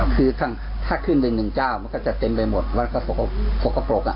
คือถ้าขึ้นในหนึ่งเจ้ามันก็จะเต็มไปหมดวัดขาดครกกพ์ปลกน่ะ